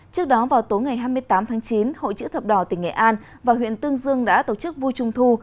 trước đó vào tối ngày hai mươi tám tháng chín hội chữ thập đỏ tỉnh nghệ an và huyện tương dương đã tổ chức vui trung thu